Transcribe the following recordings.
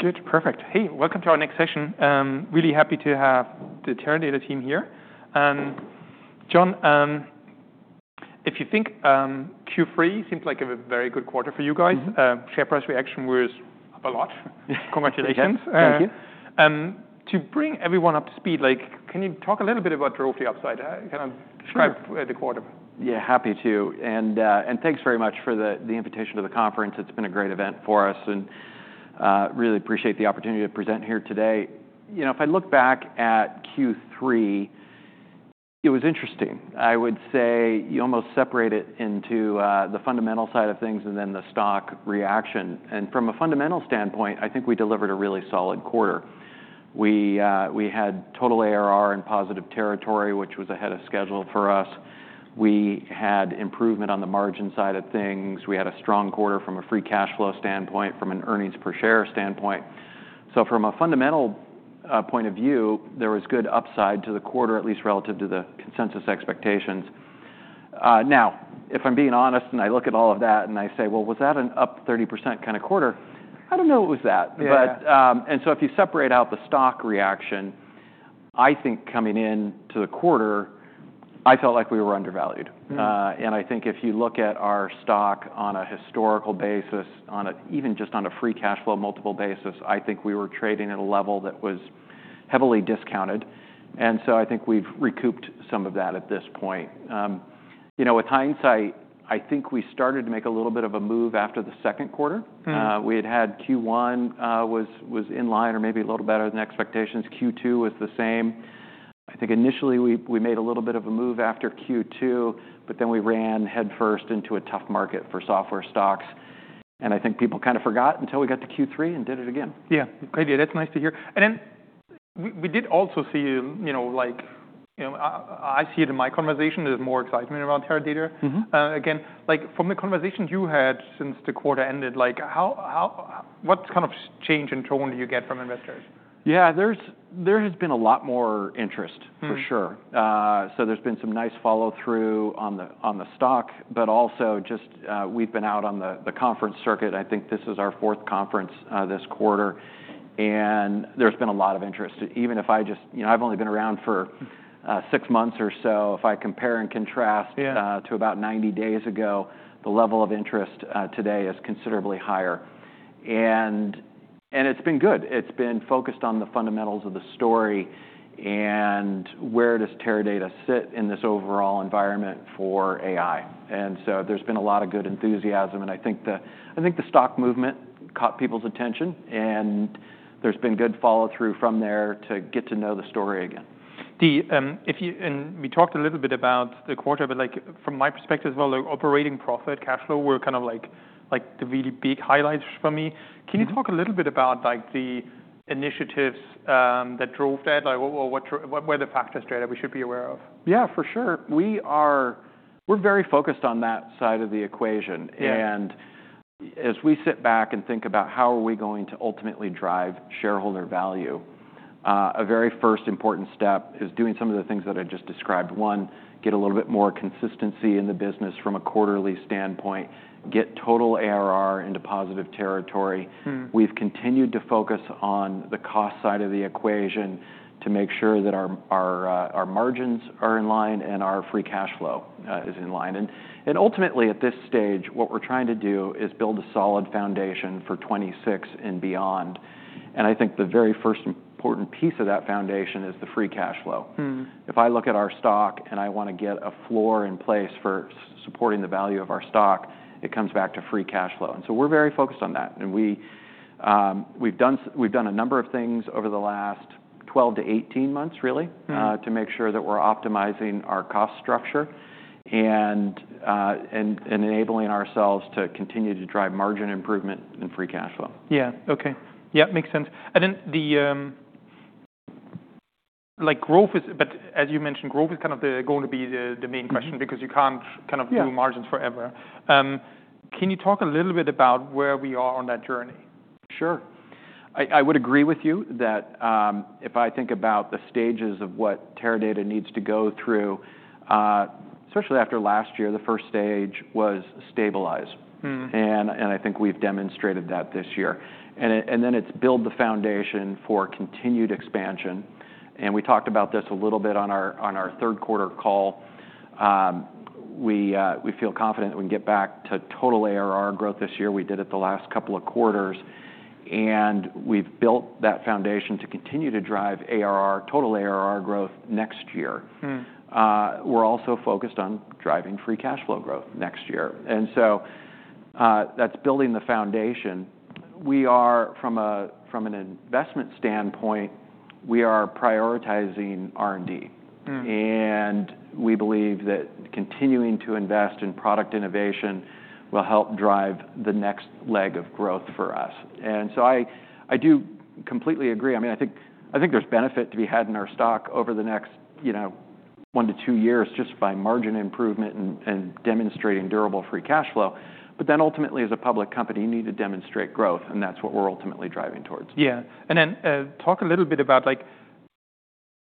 Good. Perfect. Hey, welcome to our next session. Really happy to have the Teradata team here. John, if you think, Q3 seems like a very good quarter for you guys. Share price reaction was up a lot. Congratulations. Yeah. Thank you. To bring everyone up to speed, like, can you talk a little bit about the growth upside? Kind of describe the quarter. Yeah. Happy to, and thanks very much for the invitation to the conference. It's been a great event for us, and really appreciate the opportunity to present here today. You know, if I look back at Q3, it was interesting. I would say you almost separate it into the fundamental side of things and then the stock reaction, and from a fundamental standpoint, I think we delivered a really solid quarter. We had Total ARR in positive territory, which was ahead of schedule for us. We had improvement on the margin side of things. We had a strong quarter from a free cash flow standpoint, from an earnings per share standpoint, so from a fundamental point of view, there was good upside to the quarter, at least relative to the consensus expectations. Now, if I'm being honest and I look at all of that and I say, well, was that an up 30% kind of quarter? I don't know. What was that. But, and so if you separate out the stock reaction, I think coming into the quarter, I felt like we were undervalued. And I think if you look at our stock on a historical basis, on an even just on a free cash flow multiple basis, I think we were trading at a level that was heavily discounted, and so I think we've recouped some of that at this point. You know, with hindsight, I think we started to make a little bit of a move after the second quarter. We had Q1 was in line or maybe a little better than expectations. Q2 was the same. I think initially we made a little bit of a move after Q2, but then we ran headfirst into a tough market for software stocks. And I think people kind of forgot until we got to Q3 and did it again. That's nice to hear, and then we did also see, you know, like, you know, I see it in my conversation there's more excitement around Teradata. Again, like, from the conversations you had since the quarter ended, like, how what kind of change in tone do you get from investors? Yeah. There has been a lot more interest, for sure. So there's been some nice follow-through on the stock, but also just we've been out on the conference circuit. I think this is our fourth conference this quarter. And there's been a lot of interest. Even if I just, you know, I've only been around for six months or so, if I compare and contrast to about 90 days ago, the level of interest today is considerably higher, and it's been good. It's been focused on the fundamentals of the story and where does Teradata sit in this overall environment for AI, and so there's been a lot of good enthusiasm, and I think the stock movement caught people's attention, and there's been good follow-through from there to get to know the story again. We talked a little bit about the quarter, but like, from my perspective as well, the operating profit, cash flow were kind of like the really big highlights for me. Can you talk a little bit about, like, the initiatives, that drove that? Like, what were the factors there that we should be aware of? Yeah. For sure. We're very focused on that side of the equation. As we sit back and think about how are we going to ultimately drive shareholder value, a very first important step is doing some of the things that I just described. One, get a little bit more consistency in the business from a quarterly standpoint, get total ARR into positive territory. We've continued to focus on the cost side of the equation to make sure that our margins are in line and our free cash flow is in line. And ultimately at this stage, what we're trying to do is build a solid foundation for 2026 and beyond. And I think the very first important piece of that foundation is the free cash flow. If I look at our stock and I wanna get a floor in place for supporting the value of our stock, it comes back to free cash flow. And so we're very focused on that. And we've done a number of things over the last 12 to 18 months, really. to make sure that we're optimizing our cost structure and enabling ourselves to continue to drive margin improvement in free cash flow. Yeah. Okay. Yeah. Makes sense. And then, like, growth is, but as you mentioned, growth is kind of going to be the main question because you can't kind of do margins forever? Can you talk a little bit about where we are on that journey? Sure. I would agree with you that, if I think about the stages of what Teradata needs to go through, especially after last year, the first stage was stabilize. And I think we've demonstrated that this year. And then it's build the foundation for continued expansion. And we talked about this a little bit on our third quarter call. We feel confident that we can get back to total ARR growth this year. We did it the last couple of quarters. And we've built that foundation to continue to drive ARR, total ARR growth next year. We're also focused on driving free cash flow growth next year. And so, that's building the foundation. We are, from an investment standpoint, we are prioritizing R&D. And we believe that continuing to invest in product innovation will help drive the next leg of growth for us. And so I do completely agree. I mean, I think there's benefit to be had in our stock over the next, you know, one to two years just by margin improvement and demonstrating durable free cash flow. But then ultimately, as a public company, you need to demonstrate growth, and that's what we're ultimately driving towards. Yeah, and then talk a little bit about, like,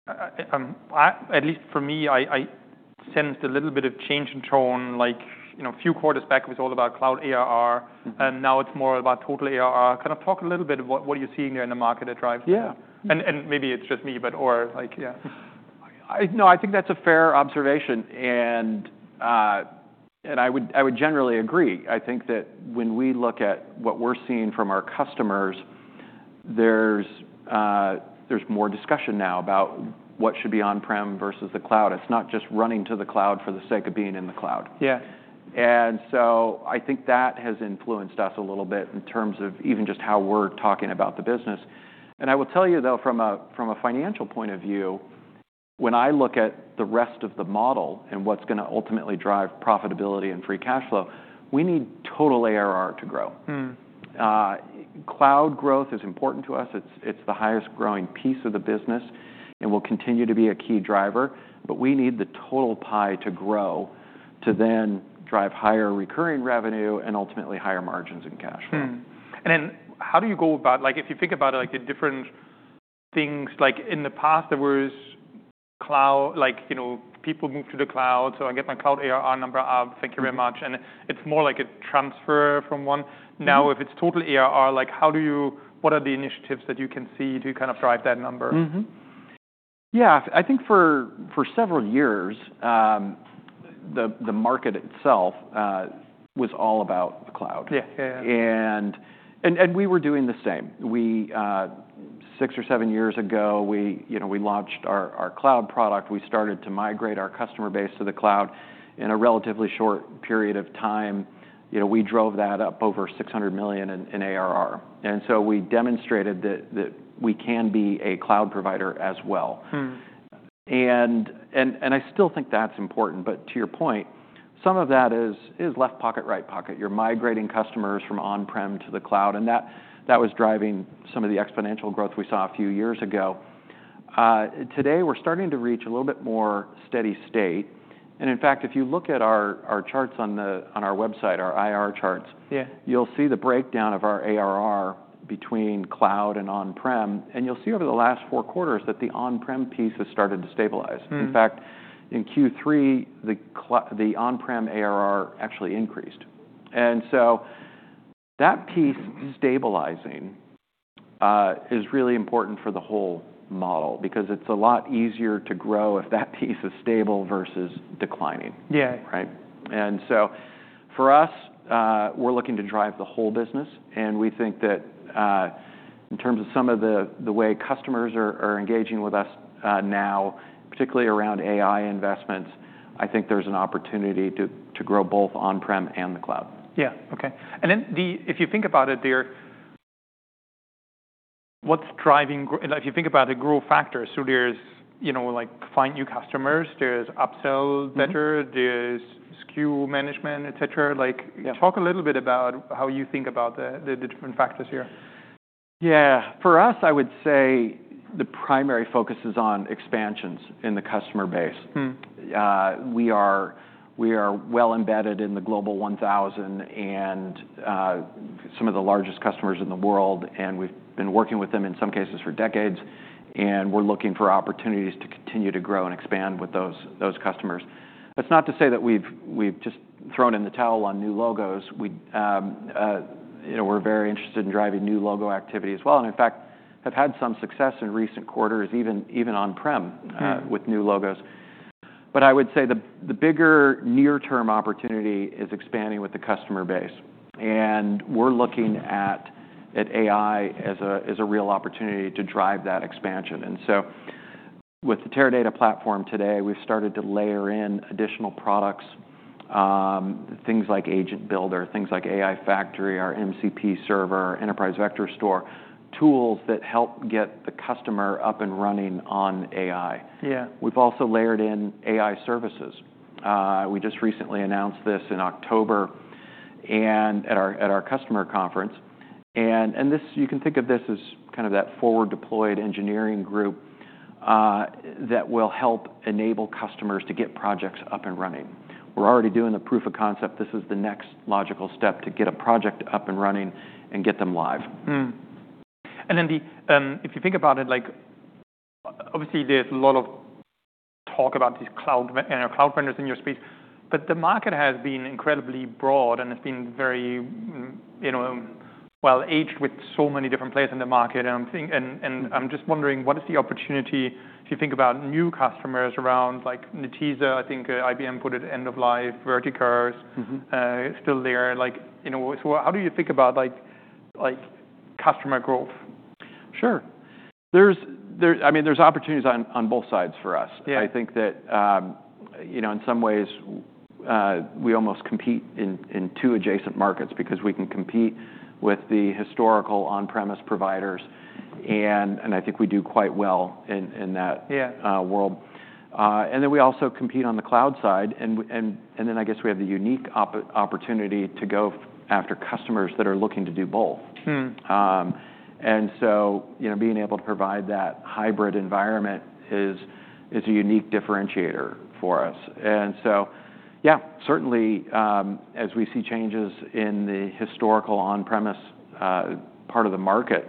at least for me, I sensed a little bit of change in tone, like, you know, a few quarters back it was all about Cloud ARR. And now it's more about total ARR. Kind of talk a little bit of what, what are you seeing there in the market that drives that? Maybe it's just me, but, or like, yeah. No, I think that's a fair observation, and I would generally agree. I think that when we look at what we're seeing from our customers, there's more discussion now about what should be on-prem versus the cloud. It's not just running to the cloud for the sake of being in the cloud. And so I think that has influenced us a little bit in terms of even just how we're talking about the business. And I will tell you though, from a financial point of view, when I look at the rest of the model and what's gonna ultimately drive profitability and free cash flow, we need total ARR to grow. Cloud growth is important to us. It's the highest growing piece of the business and will continue to be a key driver. But we need the total pie to grow to then drive higher recurring revenue and ultimately higher margins and cash flow. Like, if you think about it, like, the different things, like, in the past there was cloud, like, you know, people moved to the cloud, so I get my Cloud ARR number up, thank you very much, and it's more like a transfer from one. Now if it's total ARR, like, how do you, what are the initiatives that you can see to kind of drive that number? Yeah. I think for several years, the market itself was all about the cloud. We were doing the same. Six or seven years ago, you know, we launched our cloud product. We started to migrate our customer base to the cloud. In a relatively short period of time, you know, we drove that up over $600 million in ARR. And so we demonstrated that we can be a cloud provider as well. I still think that's important, but to your point, some of that is left pocket, right pocket. You're migrating customers from on-prem to the cloud, and that was driving some of the exponential growth we saw a few years ago. Today we're starting to reach a little bit more steady state, and in fact, if you look at our charts on our website, our IR charts. You'll see the breakdown of our ARR between cloud and on-prem. And you'll see over the last four quarters that the on-prem piece has started to stabilize. In fact, in Q3, the on-prem ARR actually increased, and so that piece stabilizing is really important for the whole model because it's a lot easier to grow if that piece is stable versus declining. Right? And so for us, we're looking to drive the whole business. And we think that, in terms of some of the way customers are engaging with us, now, particularly around AI investments, I think there's an opportunity to grow both on-prem and the cloud. Yeah. Okay. And then, if you think about it there, what's driving growth, like, if you think about the growth factors, so there's, you know, like, find new customers, there's upsell better. There's SKU management, etc. Like, talk a little bit about how you think about the different factors here. Yeah. For us, I would say the primary focus is on expansions in the customer base. We are well-embedded in the Global 1000 and some of the largest customers in the world, and we've been working with them in some cases for decades, and we're looking for opportunities to continue to grow and expand with those customers. That's not to say that we've just thrown in the towel on new logos. You know, we're very interested in driving new logo activity as well, and in fact have had some success in recent quarters, even on-prem with new logos. But I would say the bigger near-term opportunity is expanding with the customer base. And we're looking at AI as a real opportunity to drive that expansion. And so with the Teradata platform today, we've started to layer in additional products, things like Agent Builder, things like AI factory, our MCP Server, Enterprise Vector Store, tools that help get the customer up and running on AI. We've also layered in AI services. We just recently announced this in October and at our customer conference. And this you can think of this as kind of that forward-deployed engineering group that will help enable customers to get projects up and running. We're already doing the proof of concept. This is the next logical step to get a project up and running and get them live. If you think about it, like, obviously there's a lot of talk about these, you know, cloud vendors in your space. But the market has been incredibly broad and has been very, you know, well each with so many different players in the market. And I'm thinking, and I'm just wondering what is the opportunity, if you think about new customers around, like, Netezza, I think IBM put it end-of-life, Vertica still there. Like, you know, so how do you think about, like, customer growth? Sure. There's, I mean, there's opportunities on both sides for us. I think that, you know, in some ways, we almost compete in two adjacent markets because we can compete with the historical on-premise providers, and I think we do quite well in that world. and then we also compete on the cloud side. and then I guess we have the unique opportunity to go after customers that are looking to do both. And so, you know, being able to provide that hybrid environment is a unique differentiator for us. And so, yeah, certainly, as we see changes in the historical on-premise part of the market,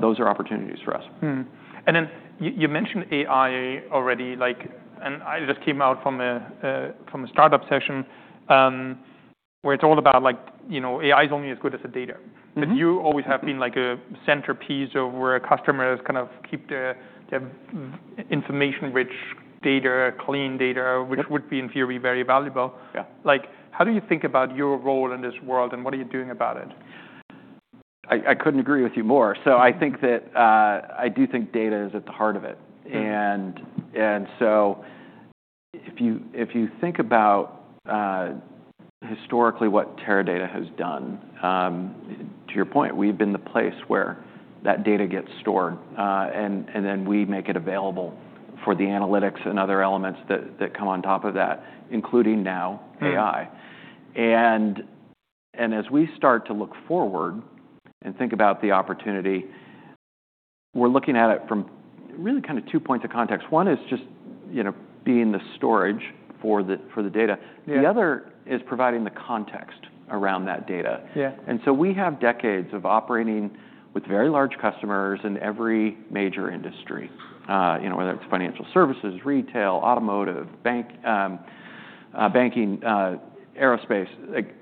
those are opportunities for us. And then you mentioned AI already, like, and I just came out from a start-up session, where it's all about, like, you know, AI's only as good as the data. But you always have been, like, a centerpiece of where customers kind of keep their information-rich data, clean data, which would be in theory very valuable. Like, how do you think about your role in this world and what are you doing about it? I couldn't agree with you more. So I think that I do think data is at the heart of it. And so if you think about, historically what Teradata has done, to your point, we've been the place where that data gets stored, and then we make it available for the analytics and other elements that come on top of that, including now AI. And as we start to look forward and think about the opportunity, we're looking at it from really kind of two points of context. One is just, you know, being the storage for the data. The other is providing the context around that data. And so we have decades of operating with very large customers in every major industry, you know, whether it's financial services, retail, automotive, banking, aerospace. Like,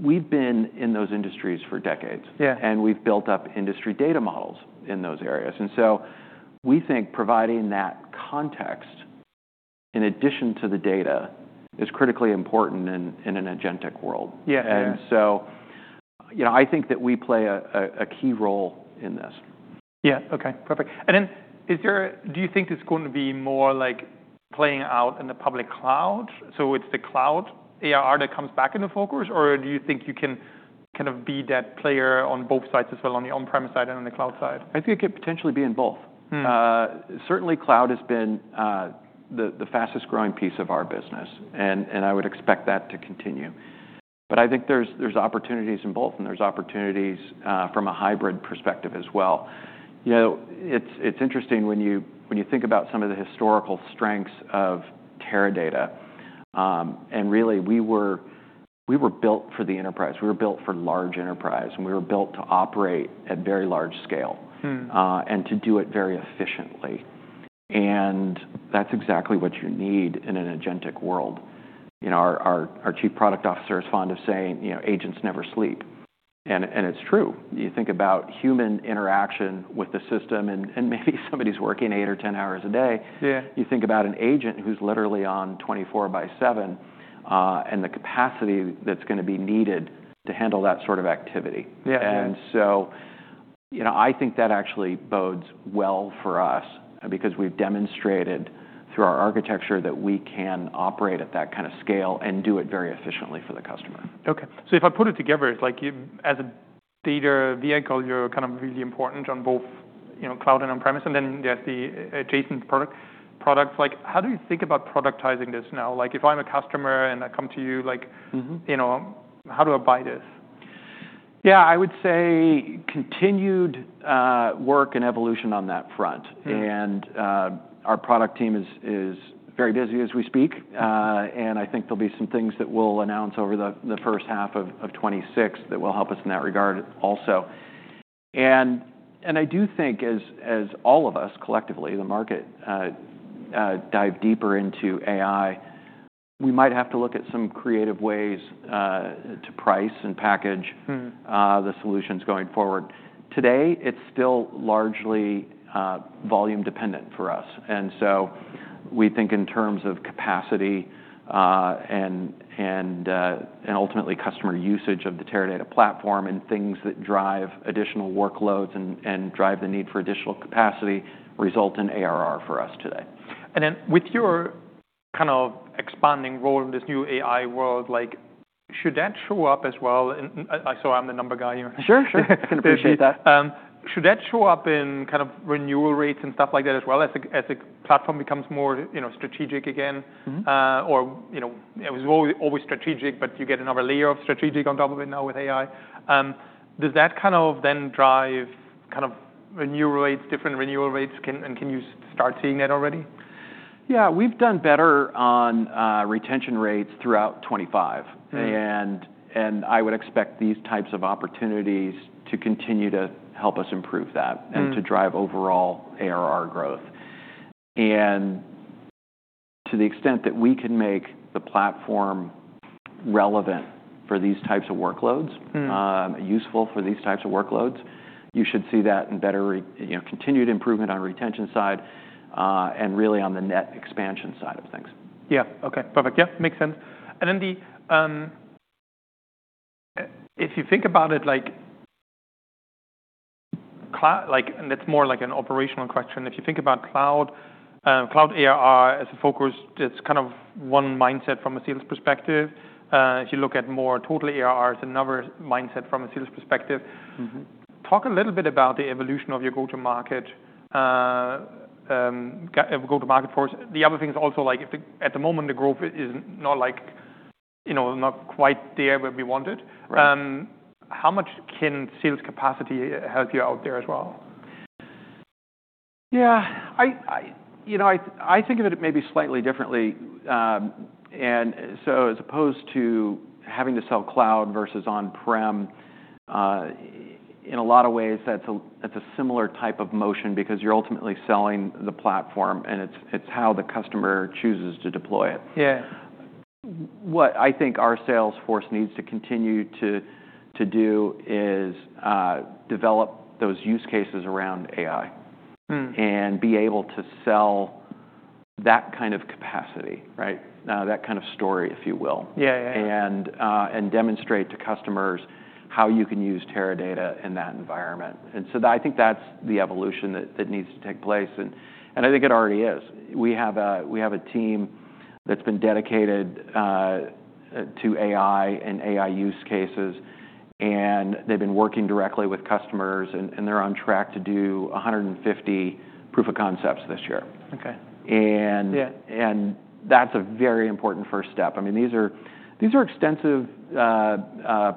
we've been in those industries for decades. And we've built up industry data models in those areas. And so we think providing that context in addition to the data is critically important in an agentic world. And so, you know, I think that we play a key role in this. Yeah. Okay. Perfect. And then is there, do you think it's going to be more like playing out in the public cloud? So it's the cloud ARR that comes back into focus, or do you think you can kind of be that player on both sides as well, on the on-premise side and on the cloud side? I think it could potentially be in both. Certainly cloud has been the fastest growing piece of our business. I would expect that to continue, but I think there's opportunities in both, and there's opportunities from a hybrid perspective as well. You know, it's interesting when you think about some of the historical strengths of Teradata, and really we were built for the enterprise. We were built for large enterprise, and we were built to operate at very large scale. And to do it very efficiently. And that's exactly what you need in an agentic world. You know, our chief product officer is fond of saying, you know, agents never sleep."And it's true. You think about human interaction with the system, and maybe somebody's working eight or 10 hours a day. You think about an agent who's literally on 24 by 7, and the capacity that's gonna be needed to handle that sort of activity. You know, I think that actually bodes well for us because we've demonstrated through our architecture that we can operate at that kind of scale and do it very efficiently for the customer. Okay, so if I put it together, it's like you, as a data vehicle, you're kind of really important on both, you know, cloud and on-premise, and then there's the adjacent products. Like, how do you think about productizing this now? Like, if I'm a customer and I come to you, like you know, how do I buy this? Yeah. I would say continued work and evolution on that front. Our product team is very busy as we speak. I think there'll be some things that we'll announce over the first half of 2026 that will help us in that regard also. I do think as all of us collectively, the market, dive deeper into AI, we might have to look at some creative ways to price and package the solutions going forward. Today, it's still largely volume-dependent for us. And so we think in terms of capacity, and ultimately customer usage of the Teradata platform and things that drive additional workloads and drive the need for additional capacity result in ARR for us today. And then with your kind of expanding role in this new AI world, like, should that show up as well? And I saw I'm the number guy here. Sure. Sure. I can appreciate that. Should that show up in kind of renewal rates and stuff like that as well as a platform becomes more, you know, strategic again? Or, you know, it was always, always strategic, but you get another layer of strategic on top of it now with AI. Does that kind of then drive kind of renewal rates, different renewal rates? And can you start seeing that already? Yeah. We've done better on retention rates throughout 2025. I would expect these types of opportunities to continue to help us improve that and to drive overall ARR growth. And to the extent that we can make the platform relevant for these types of workloads, useful for these types of workloads. You should see that in better, you know, continued improvement on retention side, and really on the net expansion side of things. Yeah. Okay. Perfect. Yeah. Makes sense. And then, if you think about it, like, and that's more like an operational question. If you think about Cloud ARR as a focus, that's kind of one mindset from a sales perspective. If you look at more total ARR, it's another mindset from a sales perspective. Talk a little bit about the evolution of your go-to-market, go-to-market force. The other thing is also, like, at the moment the growth is not like, you know, not quite there where we want it. How much can sales capacity help you out there as well? Yeah. You know, I think of it maybe slightly differently, and so as opposed to having to sell cloud versus on-prem, in a lot of ways, that's a similar type of motion because you're ultimately selling the platform, and it's how the customer chooses to deploy it. What I think our sales force needs to continue to do is develop those use cases around AI. And be able to sell that kind of capacity, right? That kind of story, if you will. And demonstrate to customers how you can use Teradata in that environment. And so I think that's the evolution that needs to take place. And I think it already is. We have a team that's been dedicated to AI and AI use cases, and they've been working directly with customers, and they're on track to do 150 proof of concepts this year. And that's a very important first step. I mean, these are extensive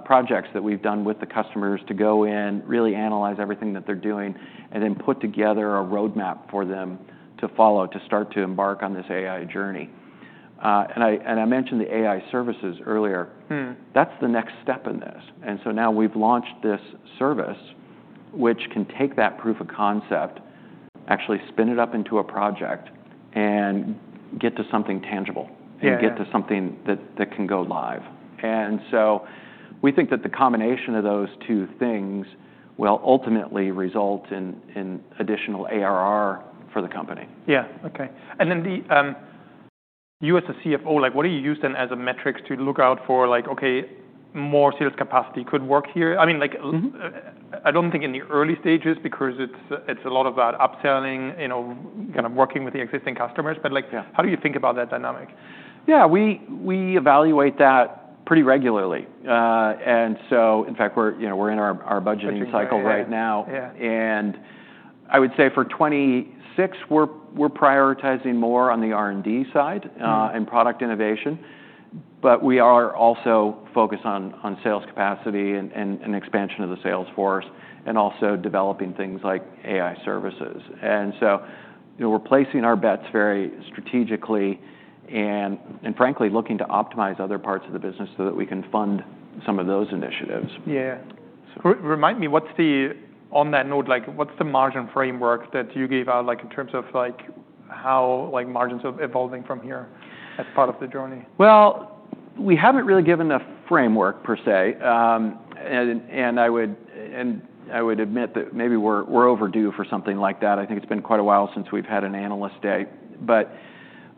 projects that we've done with the customers to go in, really analyze everything that they're doing, and then put together a roadmap for them to follow to start to embark on this AI journey, and I mentioned the AI Services earlier. That's the next step in this, and so now we've launched this service, which can take that proof of concept, actually spin it up into a project, and get to something tangible. And get to something that can go live. And so we think that the combination of those two things will ultimately result in additional ARR for the company. Yeah. Okay. And then, you as a CFO, like, what do you use then as a metrics to look out for, like, okay, more sales capacity could work here? I mean, like I don't think in the early stages because it's a lot about upselling, you know, kind of working with the existing customers. But like how do you think about that dynamic? Yeah. We evaluate that pretty regularly, and so in fact, we're, you know, in our budgeting cycle right now. And I would say for 2026, we're prioritizing more on the R&D side and product innovation. But we are also focused on sales capacity and expansion of the sales force and also developing things like AI services. And so, you know, we're placing our bets very strategically and frankly looking to optimize other parts of the business so that we can fund some of those initiatives. Remind me, on that note, like, what's the margin framework that you gave out, like, in terms of, like, how, like, margins are evolving from here as part of the journey? We haven't really given a framework per se, and I would admit that maybe we're overdue for something like that. I think it's been quite a while since we've had an analyst day, but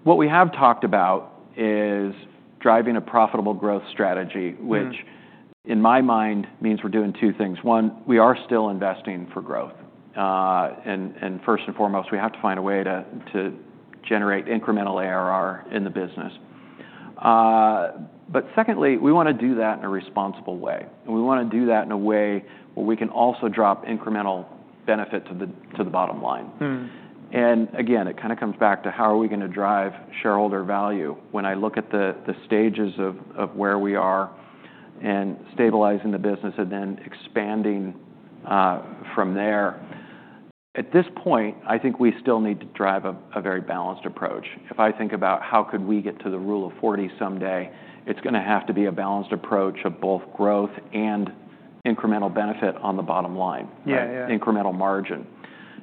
what we have talked about is driving a profitable growth strategy, which in my mind means we're doing two things. One, we are still investing for growth, and first and foremost, we have to find a way to generate incremental ARR in the business, but secondly, we wanna do that in a responsible way, and we wanna do that in a way where we can also drop incremental benefit to the bottom line. And again, it kind of comes back to how are we gonna drive shareholder value when I look at the stages of where we are and stabilizing the business and then expanding from there. At this point, I think we still need to drive a very balanced approach. If I think about how could we get to the Rule of 40 someday, it's gonna have to be a balanced approach of both growth and incremental benefit on the bottom line, incremental margin.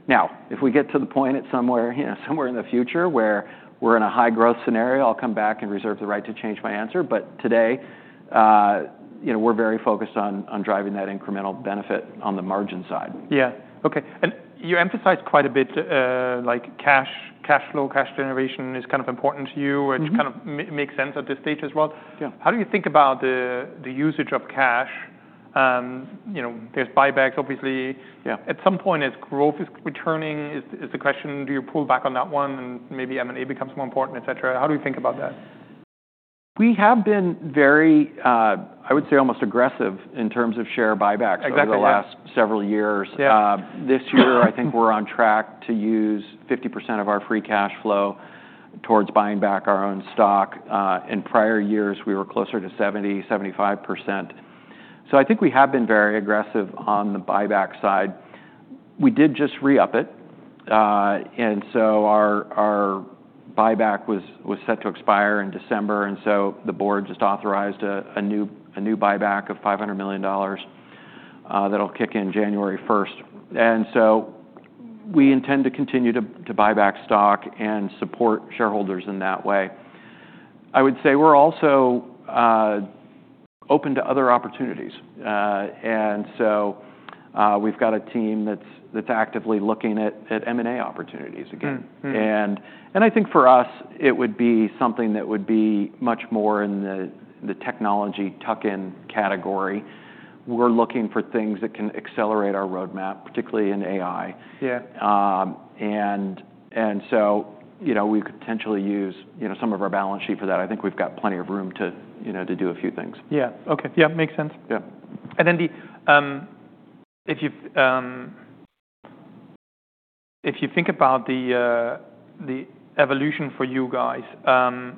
Now, if we get to the point at somewhere, you know, somewhere in the future where we're in a high growth scenario, I'll come back and reserve the right to change my answer, but today, you know, we're very focused on driving that incremental benefit on the margin side. Yeah. Okay. And you emphasized quite a bit, like cash, cash flow, cash generation is kind of important to you. Which kind of makes sense at this stage as well. How do you think about the usage of cash? You know, there's buybacks, obviously. At some point, as growth is returning, is the question, do you pull back on that one and maybe M&A becomes more important, etc.? How do you think about that? We have been very, I would say almost aggressive in terms of share buybacks over the last several years. This year, I think we're on track to use 50% of our free cash flow towards buying back our own stock. In prior years, we were closer to 70%-75%. So I think we have been very aggressive on the buyback side. We did just re-up it. And so our buyback was set to expire in December. And so the board just authorized a new buyback of $500 million, that'll kick in January 1st. And so we intend to continue to buy back stock and support shareholders in that way. I would say we're also open to other opportunities. And so, we've got a team that's actively looking at M&A opportunities again. I think for us, it would be something that would be much more in the technology tuck-in category. We're looking for things that can accelerate our roadmap, particularly in AI. And so, you know, we could potentially use, you know, some of our balance sheet for that. I think we've got plenty of room to, you know, to do a few things. Yeah. Okay. Yeah. Makes sense. And then, if you think about the evolution for you guys,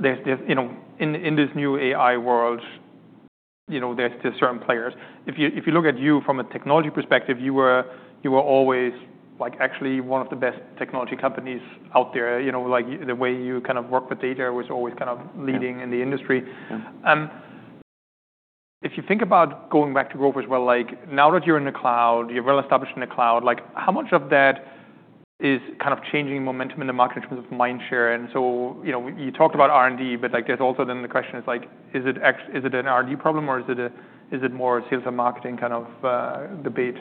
there's, you know, in this new AI world, you know, there's just certain players. If you look at you from a technology perspective, you were always like actually one of the best technology companies out there, you know, like the way you kind of work with data was always kind of leading in the industry. If you think about going back to growth as well, like now that you're in the cloud, you're well-established in the cloud, like how much of that is kind of changing momentum in the market in terms of mind share? And so, you know, you talked about R&D, but like there's also then the question is like, is it ex, is it an R&D problem or is it a, is it more sales and marketing kind of, debate?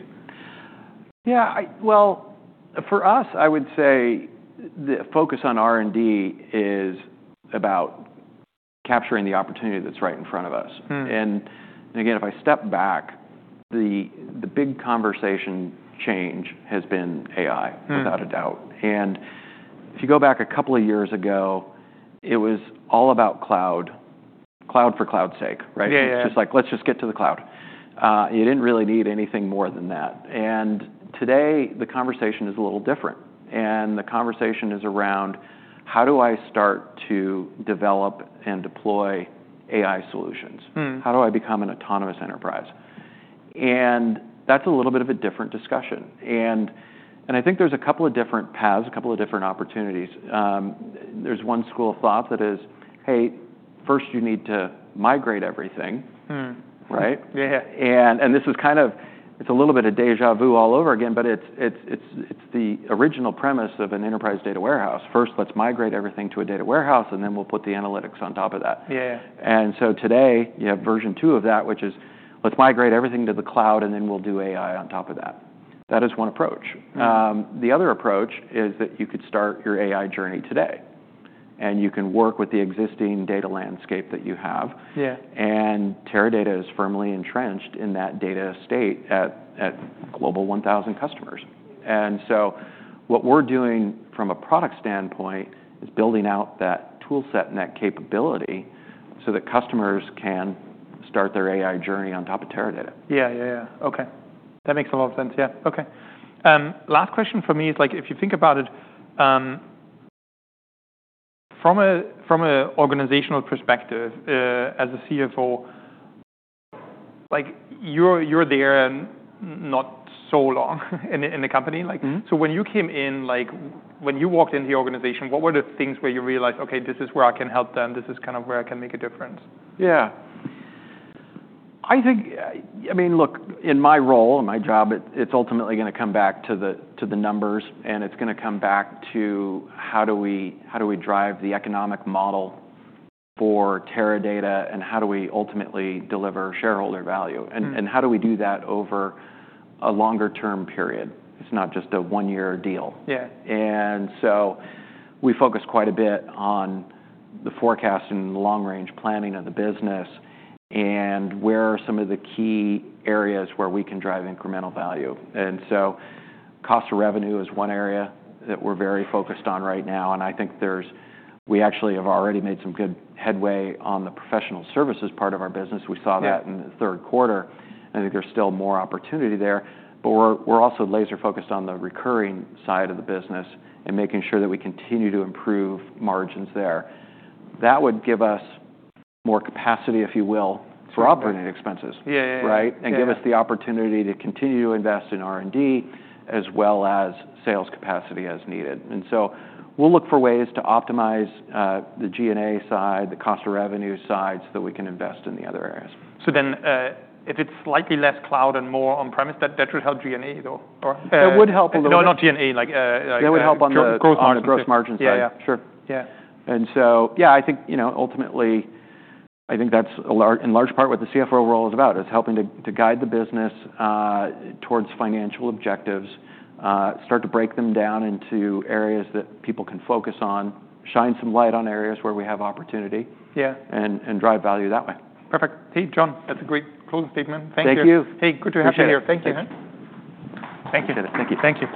Yeah, well, for us, I would say the focus on R&D is about capturing the opportunity that's right in front of us. And again, if I step back, the big conversation change has been AI without a doubt. And if you go back a couple of years ago, it was all about cloud, cloud for cloud's sake, right? It's just like, let's just get to the cloud. You didn't really need anything more than that. And today, the conversation is a little different. And the conversation is around how do I start to develop and deploy AI solutions? How do I become an autonomous enterprise? And that's a little bit of a different discussion. And, and I think there's a couple of different paths, a couple of different opportunities. There's one school of thought that is, hey, first you need to migrate everything. Right? This is kind of a little bit of déjà vu all over again, but it's the original premise of an enterprise data warehouse. First, let's migrate everything to a data warehouse, and then we'll put the analytics on top of that. And so today, you have version two of that, which is let's migrate everything to the cloud, and then we'll do AI on top of that. That is one approach. The other approach is that you could start your AI journey today, and you can work with the existing data landscape that you have. Teradata is firmly entrenched in that data estate at Global 1000 customers, and so what we're doing from a product standpoint is building out that toolset and that capability so that customers can start their AI journey on top of Teradata. Yeah. Yeah. Yeah. Okay. That makes a lot of sense. Yeah. Okay. Last question for me is like, if you think about it, from an organizational perspective, as a CFO, like you're there and not so long in the company. So when you came in, like when you walked into the organization, what were the things where you realized, okay, this is where I can help them. This is kind of where I can make a difference? Yeah. I think, I mean, look, in my role and my job, it's ultimately gonna come back to the numbers, and it's gonna come back to how do we drive the economic model for Teradata and how do we ultimately deliver shareholder value? And how do we do that over a longer-term period? It's not just a one-year deal. And so we focus quite a bit on the forecast and long-range planning of the business and where are some of the key areas where we can drive incremental value. And so cost of revenue is one area that we're very focused on right now. And I think there's. We actually have already made some good headway on the professional services part of our business. We saw that in the third quarter. I think there's still more opportunity there. But we're also laser-focused on the recurring side of the business and making sure that we continue to improve margins there. That would give us more capacity, if you will, for operating expenses. Right? And give us the opportunity to continue to invest in R&D as well as sales capacity as needed. And so we'll look for ways to optimize the G&A side, the cost of revenue side so that we can invest in the other areas. So then, if it's slightly less cloud and more on-premise, that should help G&A though, or. That would help a little bit. No, not G&A, like. That would help on the gross margin. Gross margin. Yeah. Yeah. Sure. Yeah. And so, yeah, I think, you know, ultimately, I think that's in large part what the CFO role is about, is helping to guide the business towards financial objectives, start to break them down into areas that people can focus on, shine some light on areas where we have opportunity and drive value that way. Perfect. Hey, John, that's a great closing statement. Thank you. Thank you. Hey, good to have you here. Appreciate it. Thank you. Thank you. Thank you. Thank you.